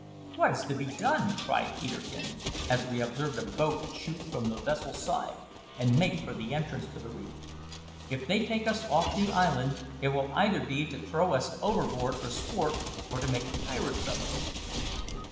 "What is to be done?" cried Peterkin as we observed a boat shoot from the vessel's side and make for the entrance of the reef. "If they take us off the island, it will either be to throw us overboard for sport or to make pirates of us."